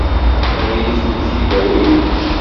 Ad iyi-ten-id-tawim?